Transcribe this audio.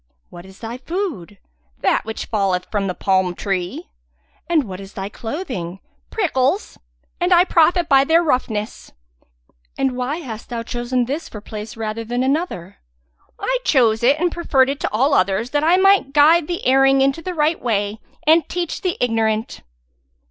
"What is thy food?" "That which falleth from the palm tree." "And what is thy clothing?" "Prickles! and I profit by their roughness." "And why hast thou chosen this for place rather than another?" "I chose it and preferred it to all others that I might guide the erring into the right way and teach the ignorant!"